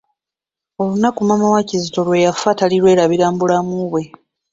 Olunaku maama wa Kizito lwe yafa tali lwelabira mu bulamu bwe.